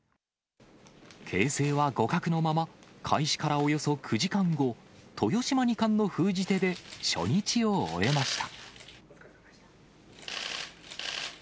形勢は互角のまま、開始からおよそ９時間後、豊島二冠の封じ手で、初日を終えました。